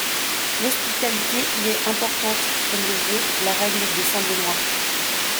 L’hospitalité y est importante, comme le veut la règle de saint Benoît.